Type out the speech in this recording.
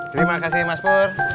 terima kasih mas pur